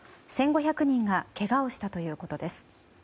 １５００人がけがをしたということです。